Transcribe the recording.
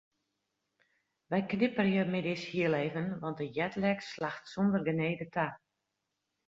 Wy knipperje middeis hiel even want de jetlag slacht sonder genede ta.